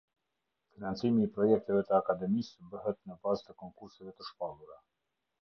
Financimi i projekteve të Akademisë bëhet në bazë të konkurseve të shpallura.